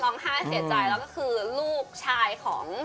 ร้องไห้เสียใจแล้วก็คือลูกชายของ